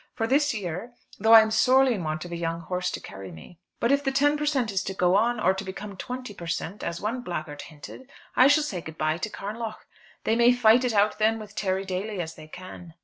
for this year, though I am sorely in want of a young horse to carry me. But if the ten per cent. is to go on, or to become twenty per cent. as one blackguard hinted, I shall say good bye to Carnlough. They may fight it out then with Terry Daly as they can."